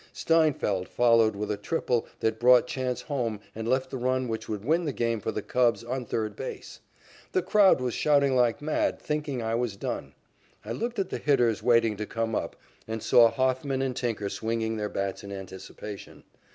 Steinfeldt followed with a triple that brought Chance home and left the run which would win the game for the Cubs on third base. The crowd was shouting like mad, thinking I was done. I looked at the hitters, waiting to come up, and saw Hofman and Tinker swinging their bats in anticipation.